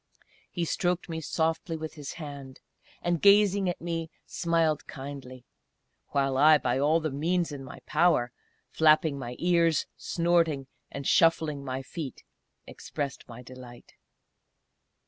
He stroked me softly with his hand, and gazing at me smiled kindly; while I by all the means in my power flapping my ears snorting and shuffling my feet, expressed my delight.